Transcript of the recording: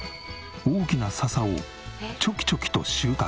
大きな笹をチョキチョキと収穫。